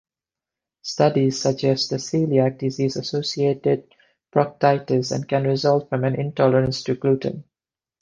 Studies suggest a celiac disease-associated "proctitis" can result from an intolerance to gluten.